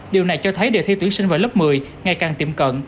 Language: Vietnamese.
điều này cho thấy đề thi tuyển sinh vào lớp một mươi ngày càng tiệm cận